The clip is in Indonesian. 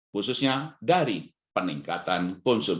berita terkini mengenai perkembangan ekonomi